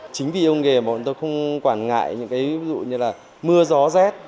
chính vì ông nghề bọn tôi không quản ngại những cái ví dụ như là mưa gió rét